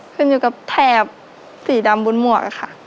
ขึ้นอยู่กับแถบสีดำบนหมวกค่ะ